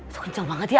tuh kenceng banget ya